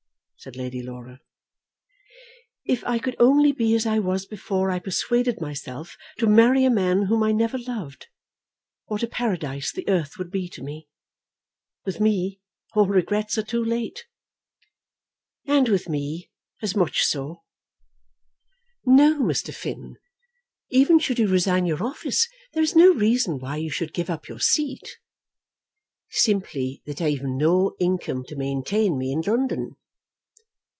said Lady Laura. "If I could only be as I was before I persuaded myself to marry a man whom I never loved, what a paradise the earth would be to me! With me all regrets are too late." "And with me as much so." "No, Mr. Finn. Even should you resign your office, there is no reason why you should give up your seat." "Simply that I have no income to maintain me in London."